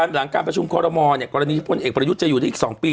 หลังการประชุมคอรมอลกรณีที่พลเอกประยุทธ์จะอยู่ได้อีก๒ปี